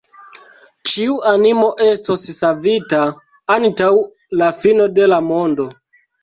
Ĉiu animo estos savita antaŭ la fino de la mondo.